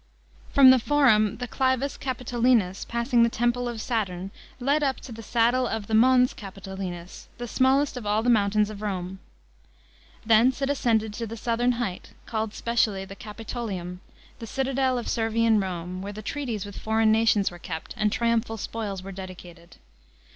§ 5. From, the Forum the Clivus Capitolinus, passing the temple of Saturn, led up to the saddle of the Mons Capitolinus, the smallest of all the mountains of Rome. Thence it ascended to the southern height, called specially the Ca|itolium, the ciradel of Servian Rome, where the treaties with foreign nations were kept a»d triumphal spoils were dedicated.